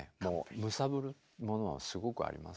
揺さぶるものはすごくありますよね。